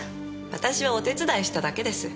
私はお手伝いしただけです。